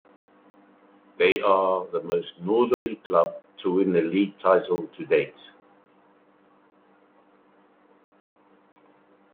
They are the most northernly club to win the League title to date.